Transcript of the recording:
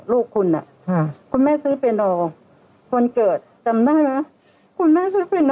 ลูกคุณอ่ะค่ะคุณแม่ซื้อไปรอวันเกิดจำได้ไหมคุณแม่ซื้อเป็น